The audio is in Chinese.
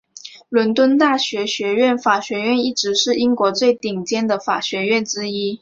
伦敦大学学院法学院一直是英国最顶尖的法学院之一。